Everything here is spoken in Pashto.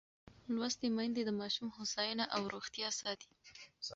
لوستې میندې د ماشوم هوساینه او روغتیا ساتي.